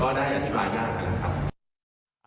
ก็ได้อธิบายยากครับ